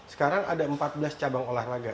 sekarang ada empat belas cabang olahraga